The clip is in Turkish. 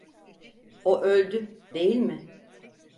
O öldü, değil mi?